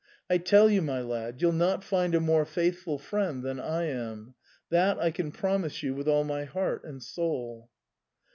I tell you, my lad, you'll not find a more faithful friend than I am — that I can promise you with all my heart and soul."